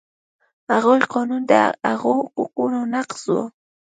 هغوی قانون د هغو حقوقو نقض و.